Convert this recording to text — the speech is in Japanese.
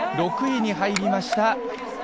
６位に入りました。